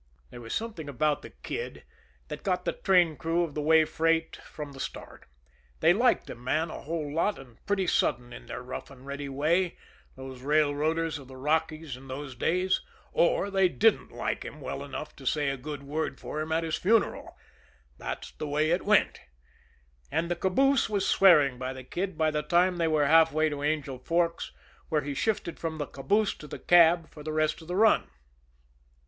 There was something about the Kid that got the train crew of the way freight right from the start. They liked a man a whole lot and pretty sudden in their rough and ready way, those railroaders of the Rockies in those days, or they didn't like him well enough to say a good word for him at his funeral; that's the way it went and the caboose was swearing by the Kid by the time they were halfway to Angel Forks, where he shifted from the caboose to the cab for the rest of the run.